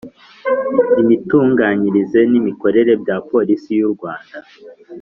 Imitunganyirize n imikorere bya polisi y u rwanda